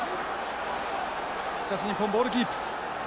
しかし日本ボールキープ。